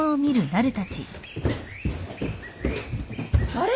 あれ？